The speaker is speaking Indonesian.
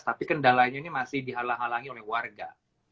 tapi kendalanya ini masih dihalangi oleh warga